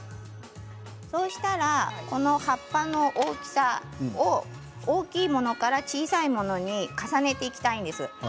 そうしたらこの葉っぱの大きさを大きいものから小さいものに重ねていきたいんです。